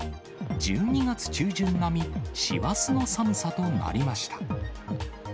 １２月中旬並み、師走の寒さとなりました。